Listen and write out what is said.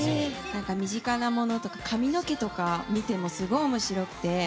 身近なものとか髪の毛とか見てもすごく面白くて。